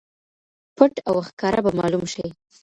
پټ او ښکاره به معلوم شي.